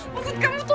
berikut kamu tuh